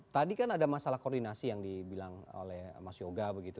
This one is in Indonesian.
tadi kan ada masalah koordinasi yang dibilang oleh mas yoga begitu